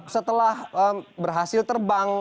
setelah berhasil terbang